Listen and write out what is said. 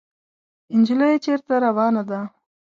انجلۍ چېرته روانه ده ؟